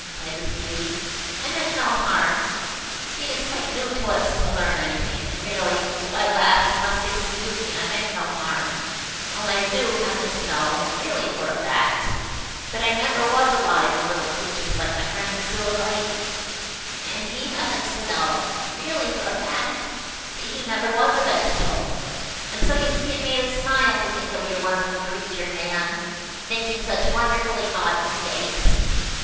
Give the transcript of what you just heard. cried the Seaweed. "I meant no harm. You see it is quite new to us to learn anything; and, really, if I laughed, you must excuse me. I meant no harm–only I do happen to know–really for a fact–that I never was alive with little creatures like my friend the Zoophyte; and he happens to know–really for a fact–that he never was a vegetable; and so you see it made us smile to think of your wonderful creature, man, making such wonderfully odd mistakes."